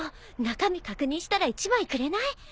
中身確認したら１枚くれない？